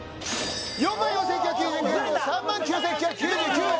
４４９９０円と３９９９９円！